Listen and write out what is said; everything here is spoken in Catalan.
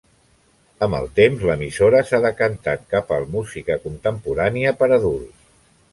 Amb el temps, l'emissora s'ha decantat cap al música contemporània per a adults.